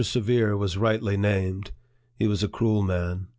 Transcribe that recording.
Severe was rightly named : he was a cruel man.